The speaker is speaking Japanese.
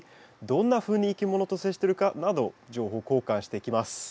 どんなふうにいきものと接してるかなど情報交換していきます。